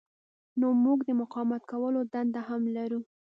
نو موږ د مقاومت کولو دنده هم لرو.